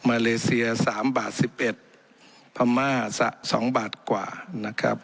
มาเลเซียสามบาทสิบเอ็ดพม่าสะสองบาทกว่านะครับ